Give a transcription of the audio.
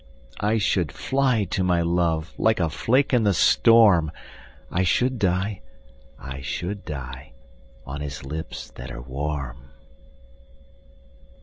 I should fly to my love Like a flake in the storm, I should die, I should die, On his lips that are warm.